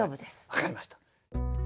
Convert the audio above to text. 分かりました。